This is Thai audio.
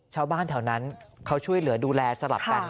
ชาวบ้านแถวนั้นเขาช่วยเหลือดูแลสลับกัน